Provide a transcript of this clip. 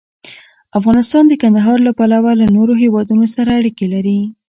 افغانستان د کندهار له پلوه له نورو هېوادونو سره اړیکې لري.